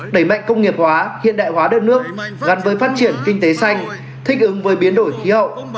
đẩy mạnh công nghiệp hóa hiện đại hóa đất nước gắn với phát triển kinh tế xanh thích ứng với biến đổi khí hậu